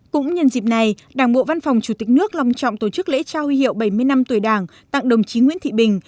cũng nhân dịp này đảng bộ văn phòng chủ tịch nước lòng trọng tổ chức lễ trao huy hiệu bảy mươi năm tuổi đảng tặng đồng chí nguyễn thị bình